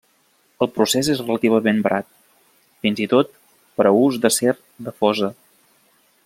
El procés és relativament barat, fins i tot per a ús d'acer de fosa.